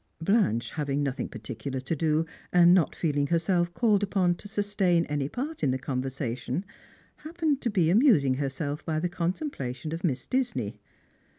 Blanche, having nothing particular to do, and not feeling herself called upon to sustain any part in the conversation, happened to be amusing herself by the contemplation of Misa Disney.